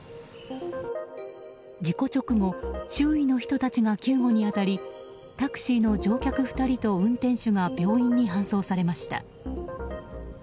事故直後周囲の人たちが救護に当たりタクシーの乗客２人と運転手が病院に搬送されました。